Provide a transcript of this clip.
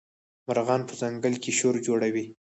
مارغان په ځنګل کي شور جوړوي.